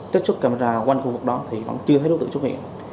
trích xuất camera quanh khu vực đó thì vẫn chưa thấy đối tượng xuất hiện